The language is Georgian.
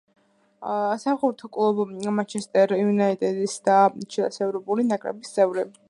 საფეხბურთო კლუბ „მანჩესტერ იუნაიტედის“ და ჩილეს ეროვნული ნაკრების წევრი.